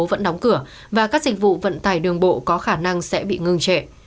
vẫn đóng cửa và các dịch vụ vận tải đường bộ có khả năng sẽ bị ngừng trệ